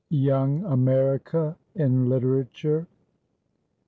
YOUNG AMERICA IN LITERATURE.